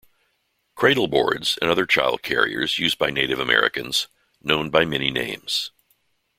Cradle boards and other child carriers used by Native Americans, known by many names.